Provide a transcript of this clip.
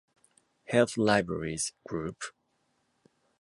Health Libraries Group.